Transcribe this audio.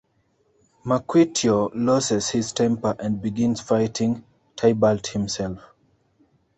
Mercutio loses his temper and begins fighting Tybalt himself.